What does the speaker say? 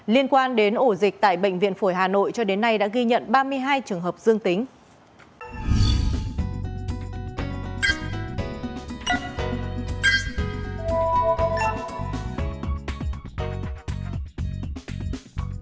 liên quan đến ổ dịch tại bệnh viện phổi hà nội cho đến nay đã ghi nhận ba mươi hai trường hợp dương tính